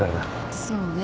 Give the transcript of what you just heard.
そうね。